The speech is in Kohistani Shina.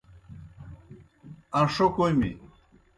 اݩݜو کوْمیْ۔